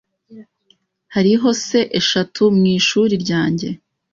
Hariho s eshatu mwishuri ryanjye.